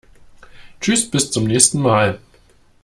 Tschüss, bis zum nächsen Mal!